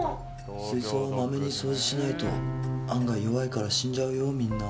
水槽をまめに掃除しないと案外弱いから死んじゃうよ、みんな。